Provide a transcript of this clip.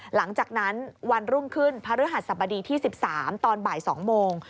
หลังจากนั้นวันรุ่งขึ้นพระฤหัสสบดีที่๑๓ตอนบ่าย๒โมง